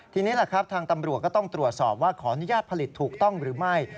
ทีนี้แหละครับทางตำรวจก็ต้องตรวจสอบว่าขออนุญาตผลิตถูกต้องหรือไม่